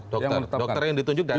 dokter yang ditunjuk dari mana